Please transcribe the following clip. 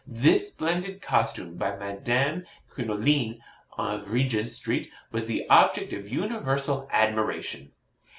This splendid costume, by Madame Crinoline, of Regent Street, was the object of universal admiration.'